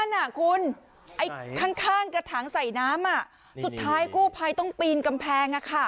นั่นอ่ะคุณไอ้ข้างกระถังใส่น้ำอ่ะสุดท้ายกู้ภัยต้องปีนกำแพงอ่ะค่ะ